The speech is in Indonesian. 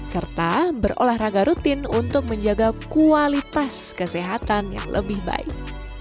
serta berolahraga rutin untuk menjaga kualitas kesehatan yang lebih baik